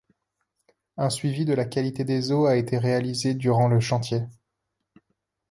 Un suivi de la qualité des eaux a été réalisé durant le chantier.